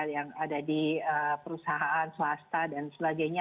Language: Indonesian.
yang ada di perusahaan swasta dan sebagainya